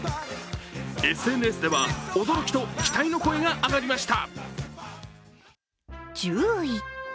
ＳＮＳでは、驚きと期待の声が上がりました。